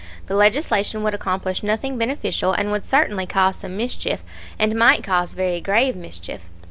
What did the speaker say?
The legislation would accomplish nothing beneficial and would certainly cause some mischief, and might cause very grave mischief.